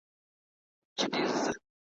دی ئې په توپ والوزاوه